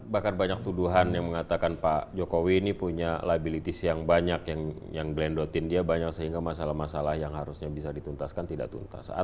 bahkan banyak tuduhan yang mengatakan pak jokowi ini punya liabilities yang banyak yang blendotin dia banyak sehingga masalah masalah yang harusnya bisa dituntaskan tidak tuntas